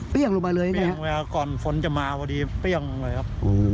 เปรี้ยงลงมาเลยอย่างงี้ครับเปรี้ยงเลยครับก่อนฝนจะมาพอดีเปรี้ยงเลยครับ